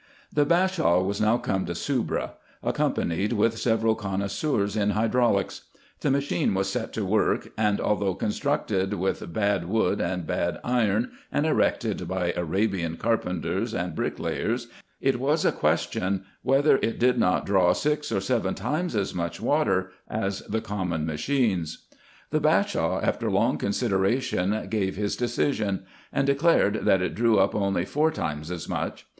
The Bashaw was now come to Soubra, accompanied with several connoisseurs in hydraulics. The machine was set to work ; and, although constructed with bad wood and bad iron, and erected by Arabian carpenters and bricklayers, it was a question whether it did not draw six or seven times as much water as the common machines. IN EGYPT, NUBIA, &c. 23 The Bashaw, after long consideration, gave his decision ; and declared, that it drew up only four times as much.